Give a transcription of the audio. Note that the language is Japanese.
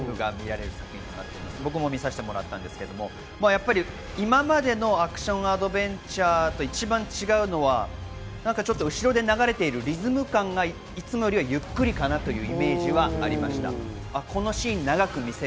僕も見たんですけれど、今までのアクションアドベンチャーと一番違うのは、後ろで流れているリズム感がいつもよりゆっくりかなというイメージです。